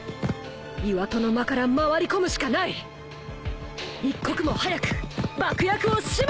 岩戸の間から回り込むしかない一刻も早く爆薬を始末する！